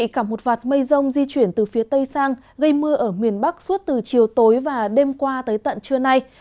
cảm một vạt mây rông di chuyển từ phía tây sang gây mưa ở miền bắc suốt từ chiều tối và đêm qua tới tận trưa nay